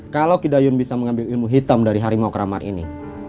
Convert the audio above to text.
kalau kidayun bisa mengambil ilmu hitam dari harimau keramat ini